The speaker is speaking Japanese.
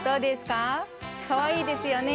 かわいいですよね？